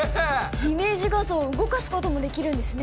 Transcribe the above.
イメージ画像を動かすこともできるんですね